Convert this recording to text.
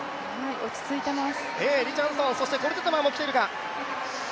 落ち着いています。